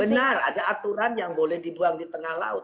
benar ada aturan yang boleh dibuang di tengah laut